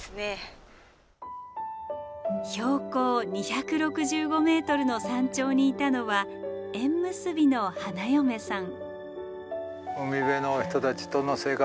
標高２６５ｍの山頂にいたのは縁結びの花嫁さん。